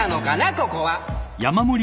ここは！